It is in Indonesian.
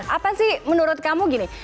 apa sih menurut kamu gini